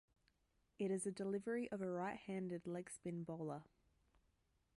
It is a delivery of a right-handed leg spin bowler.